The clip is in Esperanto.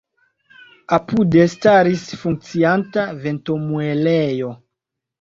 Apude staris funkcianta ventomuelejo.